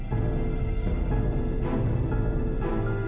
kamu kenapa sih